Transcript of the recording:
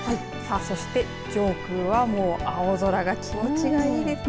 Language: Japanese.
そして上空はもう青空が気持ちがいいですね。